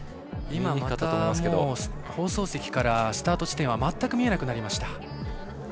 今また、放送席からスタート地点が全く見えなくなりました。